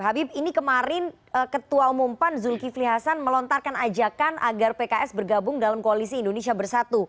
habib ini kemarin ketua umum pan zulkifli hasan melontarkan ajakan agar pks bergabung dalam koalisi indonesia bersatu